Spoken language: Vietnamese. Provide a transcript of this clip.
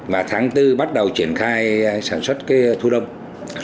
và tháng bốn bắt đầu triển khai sản xuất cây thu đông